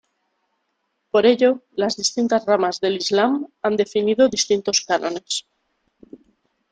Por ello, las distintas ramas del islam han definido distintos cánones.